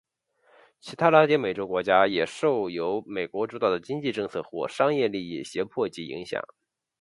其他拉丁美洲国家也受由美国主导的经济政策或商业利益胁迫及影响。